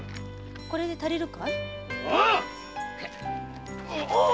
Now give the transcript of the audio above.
これで足りるかい？